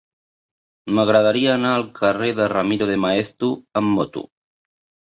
M'agradaria anar al carrer de Ramiro de Maeztu amb moto.